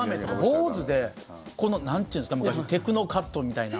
坊主で、なんていうんですか昔のテクノカットみたいな。